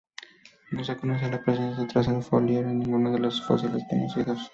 No se conoce la presencia de traza foliar en ninguno de los fósiles conocidos.